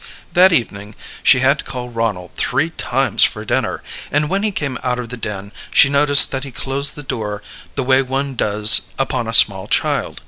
That evening she had to call Ronald three times for dinner, and when he came out of the den she noticed that he closed the door the way one does upon a small child.